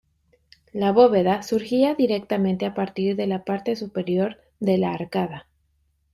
La bóveda surgía directamente a partir de la parte superior de la arcada.